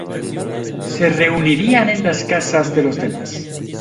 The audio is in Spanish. Se reunirían en las casas de los demás.